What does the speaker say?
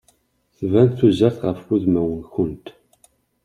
Tban tuzert ɣef udmawen-nkent.